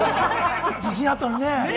自信あったのにね。